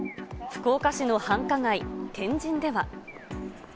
福岡市の繁華街、天神では。